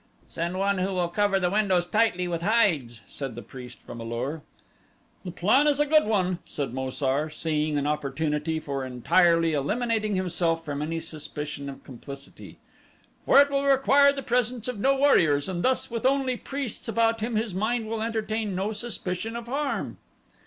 "Send one who will cover the windows tightly with hides," said the priest from A lur. "The plan is a good one," said Mo sar, seeing an opportunity for entirely eliminating himself from any suspicion of complicity, "for it will require the presence of no warriors, and thus with only priests about him his mind will entertain no suspicion of harm."